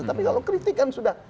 tapi kalau kritik kan sudah